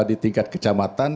di tingkat kecamatan